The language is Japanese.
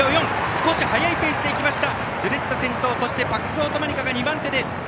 少し速いペースでいきました。